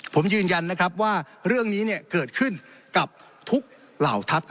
ผมยืนยันนะครับว่าเรื่องนี้เกิดขึ้นกับทุกเหล่าทัพ